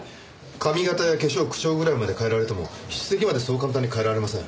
髪形や化粧口調ぐらいまでは変えられても筆跡までそう簡単に変えられません。